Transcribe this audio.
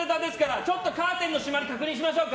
ちょっとカーテンが閉まったか確認しましょうか。